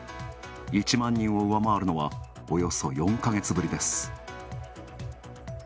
１万人を上回るのはおよそ４ヶ月ぶりです。